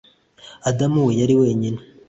adamu we, yari wenyine.